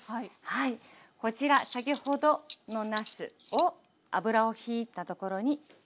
こちら先ほどのなすを油をひいたところに並べていきます。